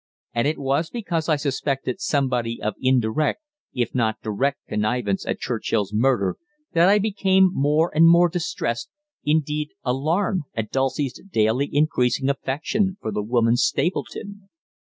And it was because I suspected somebody of indirect, if not direct, connivance at Churchill's murder, that I became more and more distressed, indeed alarmed, at Dulcie's daily increasing affection for the woman Stapleton.